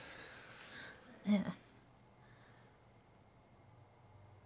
ねえ。